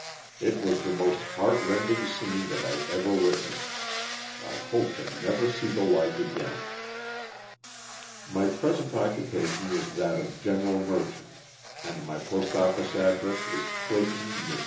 It was the most heart rending scene that I ever witnessed. I hope to never see the like again. My present occupation is that of general merchant, and my post office address is Clayton, Mich.